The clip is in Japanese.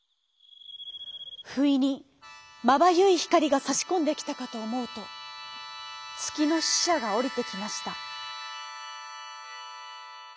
ふいにまばゆいひかりがさしこんできたかとおもうとつきのししゃがおりてきました。